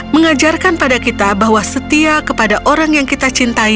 mengajarkan pada kita bahwa setia kepada orang yang kita cintai